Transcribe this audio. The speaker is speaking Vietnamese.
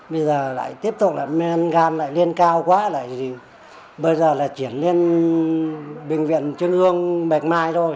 bây giờ lại tiếp tục là men gan lại lên cao quá bây giờ là chuyển lên bệnh viện trương hương bạch mai thôi